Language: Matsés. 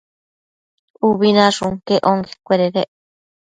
Ubi nashun quec onquecuededec